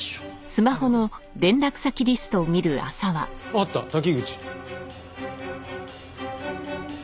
あった滝口。